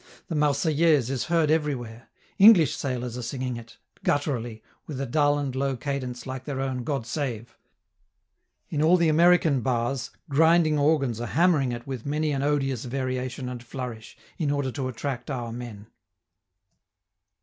The Marseillaise is heard everywhere; English sailors are singing it, gutturally, with a dull and slow cadence like their own "God Save." In all the American bars, grinding organs are hammering it with many an odious variation and flourish, in order to attract our men.